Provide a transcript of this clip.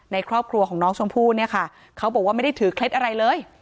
ในครอบครัวของน้องชมพู่เนี่ยค่ะเขาบอกว่าไม่ได้ถือเคล็ดอะไรเลย